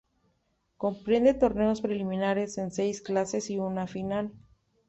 Comprende torneos preliminares en seis clases y una final.